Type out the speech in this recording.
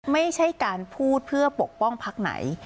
ไม่ใช่การพูดเพื่อปกป้องพักไหน